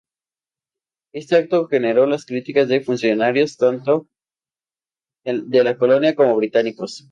Este acto generó las críticas de funcionarios tanto de la colonia como británicos.